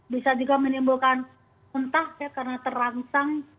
bisa juga menimbulkan muntah ya karena terangsang